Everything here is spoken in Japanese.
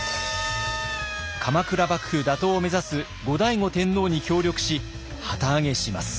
鎌倉幕府打倒を目指す後醍醐天皇に協力し旗揚げします。